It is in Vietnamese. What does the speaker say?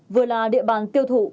vừa là địa bàn tiêu thụ